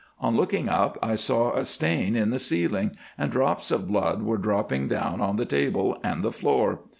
On looking up I saw a stain in the ceiling, and drops of blood were dropping down on the table and the floor.